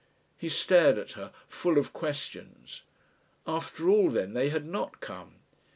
He stared at her, full of questions. After all, then, they had not come.